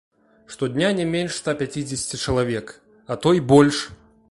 Штодня не менш ста пяцідзесяці чалавек, а то й больш!